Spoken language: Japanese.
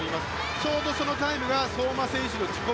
ちょうどそのタイムが相馬選手の自己